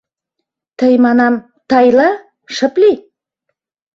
— Тый, манам, Тайла, шып лий!